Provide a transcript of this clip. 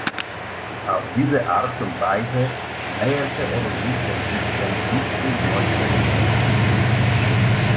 Auf diese Art und Weise näherte er sich den Dichtern bis zur Neuschöpfung.